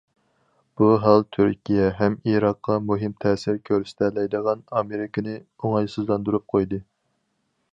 بۇ ھال تۈركىيە ھەم ئىراققا مۇھىم تەسىر كۆرسىتەلەيدىغان ئامېرىكىنى ئوڭايسىزلاندۇرۇپ قويدى.